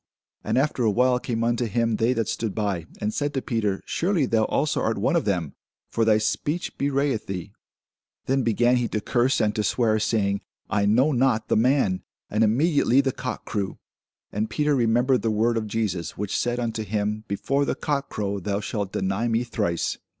And after a while came unto him they that stood by, and said to Peter, Surely thou also art one of them; for thy speech bewrayeth thee. Then began he to curse and to swear, saying, I know not the man. And immediately the cock crew. And Peter remembered the word of Jesus, which said unto him, Before the cock crow, thou shalt deny me thrice.